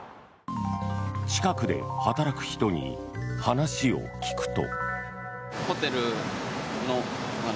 近くで働く人に話を聞くと。